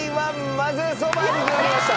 まぜそばに決まりました！